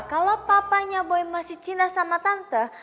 kalau papanya si boy masih cinta sama tante